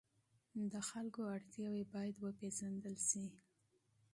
د خلکو اړتیاوې باید وپېژندل سي.